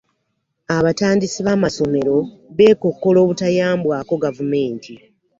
Abatandisi b'amasomero beekokkola obutayambwako gavumenti.